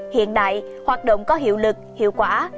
hiện đại hoạt động có hiệu lực hiệu quả